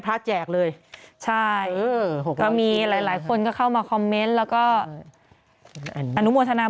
แจกเลยใช่ก็มีหลายหลายคนก็เข้ามาคอมเมนต์แล้วก็อนุโมทนา